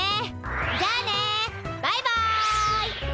じゃあねバイバイ。